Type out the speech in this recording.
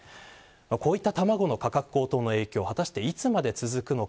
こういった卵の価格高騰の影響果たして、いつまで続くのか。